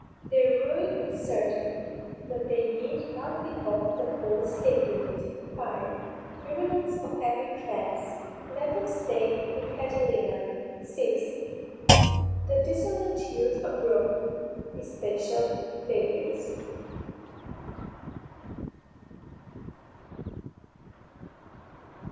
Their ruin is certain, but they need not involve the whole State in it._ (5) Criminals of every class; let them stay with Catilina. (6) _The dissolute youth of Rome, his special favourites.